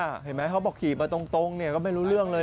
เจ๊เห็นไหมเขาบอกขี่มาตรงก็ไม่รู้เรื่องอะไร